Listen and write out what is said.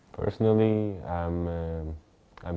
saya sudah selesai dengan ini